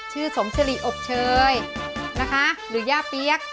สมสิริอบเชยนะคะหรือย่าเปี๊ยก